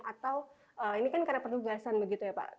atau ini kan karena perugasan begitu ya pak